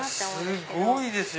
すごいですよ！